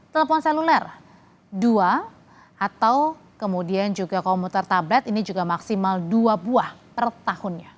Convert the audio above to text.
telepon seluler dua atau kemudian juga komuter tablet ini juga maksimal dua buah per tahunnya